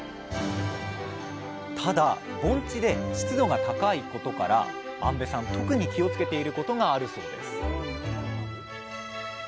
ただ盆地で湿度が高いことから安部さん特に気をつけていることがあるそうです